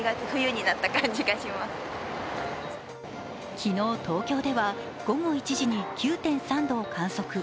昨日、東京では午後１時に９．３度を観測。